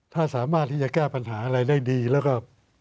ถ้าสามารถที่จะแก้ปัญหาอะไรได้ดีแล้วก็